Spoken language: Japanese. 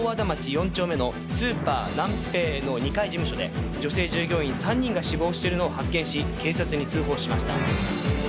４丁目のスーパーナンペイの２階事務所で女性従業員３人が死亡しているのを発見し警察に通報しました。